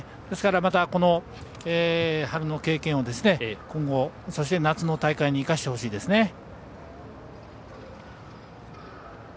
ですから、また春の経験を今後、そして夏の大会に生かしてほしいですね。